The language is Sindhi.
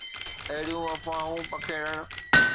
اهڙيون افواهون پکيڙڻ